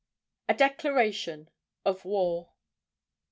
A DECLARATION OF WAR.